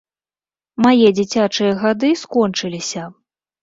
Мае дзіцячыя гады скончыліся.